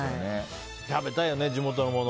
食べたいよね、地元のもの。